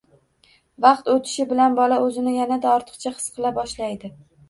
Vaqt o‘tishi bilan bola o‘zini yanada ortiqcha his qila boshlaydi.